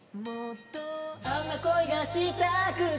「あんな恋がしたくて」